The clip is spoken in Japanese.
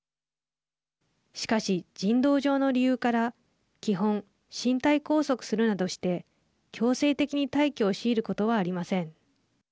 しかし、人道上の理由から基本、身体拘束するなどして強制的に退去を強いることはありません。